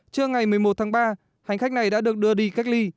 trưa ngày một mươi một tháng ba hành khách này đã được đưa đi cách ly